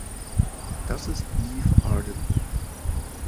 Das ist Eve Arden.